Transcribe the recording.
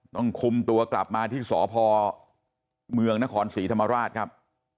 ต้องคุมตัวกลับมาที่สพเมืองนครศรีธรรมราชครับ